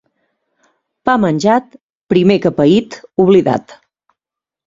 Pa menjat, primer que paït, oblidat.